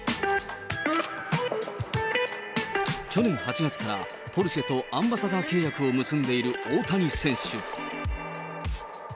去年８月からポルシェとアンバサダー契約を結んでいる大谷選手。